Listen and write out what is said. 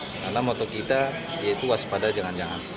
karena moto kita yaitu waspada jangan jangan